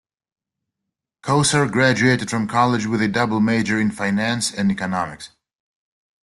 Kosar graduated from college with a double major in Finance and economics.